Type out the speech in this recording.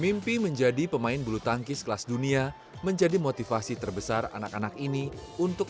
mimpi menjadi pemain bulu tangkis kelas dunia menjadi motivasi terbesar anak anak ini untuk